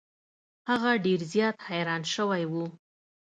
هغه ډیر زیات حیران شوی و.